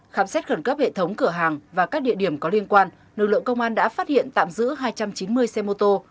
khám xét khẩn cấp hệ thống cửa hàng và các địa điểm có liên quan lực lượng công an đã phát hiện tạm giữ hai trăm chín mươi xe mô tô